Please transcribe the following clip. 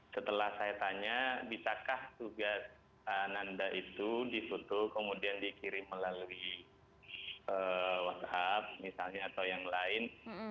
setelah saya tanya bisakah tugas ananda itu di foto kemudian dikirim melalui whatsapp misalnya atau yang lain